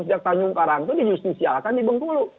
di jakarta yungkarang itu di justisialkan di bengkulu